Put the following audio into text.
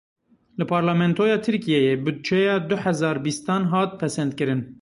Li Parlamentoya Tirkiyeyê budceya du hezar bîstan hat pesendkirin.